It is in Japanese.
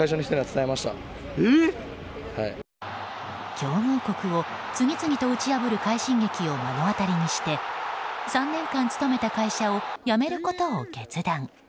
強豪国を次々と打ち破る快進撃を目の当たりにして３年間勤めた会社を辞めることを決断。